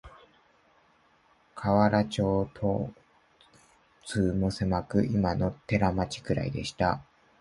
河原町通もせまく、いまの寺町くらいでした